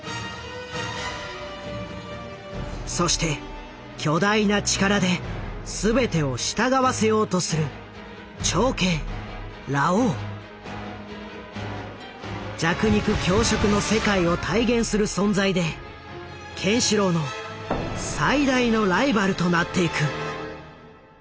そして巨大な力で全てを従わせようとする弱肉強食の世界を体現する存在でケンシロウの最大のライバルとなっていく。